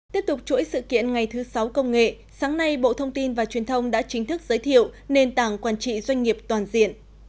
tiếp tục chuỗi sự kiện ngày thứ sáu công nghệ sáng nay bộ thông tin và truyền thông đã chính thức giới thiệu nền tảng quản trị doanh nghiệp toàn diện